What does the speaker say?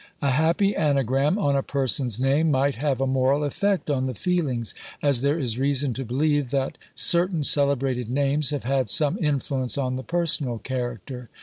A happy anagram on a person's name might have a moral effect on the feelings: as there is reason to believe, that certain celebrated names have had some influence on the personal character.